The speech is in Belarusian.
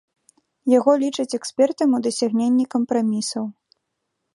Яго лічаць экспертам у дасягненні кампрамісаў.